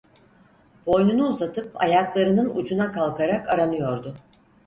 Boynunu uzatıp ayaklarının ucuna kalkarak aranıyordu.